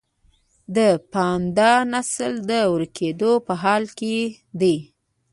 د پاندا نسل د ورکیدو په حال کې دی